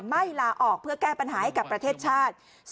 ไม่ลาออกเพื่อแก้ปัญหาให้กับประเทศชาติ